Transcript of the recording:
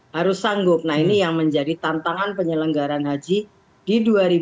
harus sanggup nah ini yang menjadi tantangan penyelenggaran haji di dua ribu dua puluh